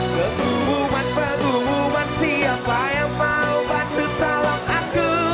pengumuman pengumuman siapa yang mau bantu salam aku